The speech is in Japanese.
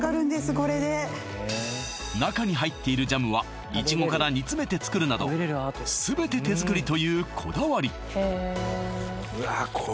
中に入っているジャムはいちごから煮詰めて作るなど全て手作りというこだわりうわ